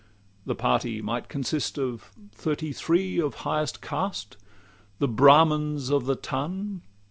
The party might consist of thirty three Of highest caste the Brahmins of the ton.